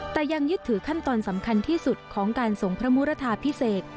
แต่ยังยึดถือขั้นตอนสำคัญที่สุดของการส่งพระมุรทาพิเศษ